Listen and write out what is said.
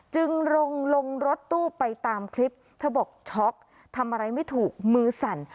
จึงลงลงรถตู้ไปตามคลิปเธอบอกช็อกทำอะไรไม่ถูกมือสั่น